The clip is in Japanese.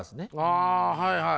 あはいはい。